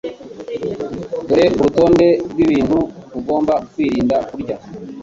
Dore urutonde rwibintu ugomba kwirinda kurya.